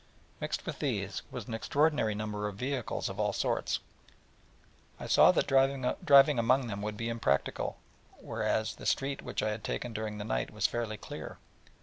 Mixed with these was an extraordinary number of vehicles of all sorts, so that I saw that driving among them would be impracticable, whereas the street which I had taken during the night was fairly clear.